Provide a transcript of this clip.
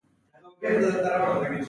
تواب له وېرې خبرې نه شوې کولای.